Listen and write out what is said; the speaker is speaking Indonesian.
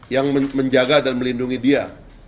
yang menjaga dan melindungi dia